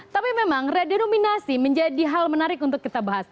tapi memang redenominasi menjadi hal menarik untuk kita bahas